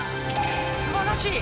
すばらしい！